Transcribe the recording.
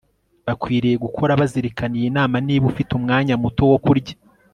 bakwiriye guhora bazirikana iyi nama Niba ufite umwanya muto wo kurya